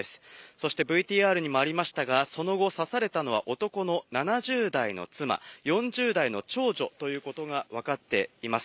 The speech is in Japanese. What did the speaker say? そしてＶＴＲにもありましたが、その後、刺されたのは男の７０代の妻、４０代の長女ということが分かっています。